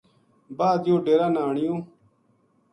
بعد یوہ ڈیرا نا آنیوں